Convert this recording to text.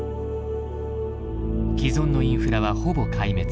既存のインフラはほぼ壊滅。